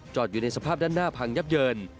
อยู่ในสภาพด้านหน้าพังยับเยิน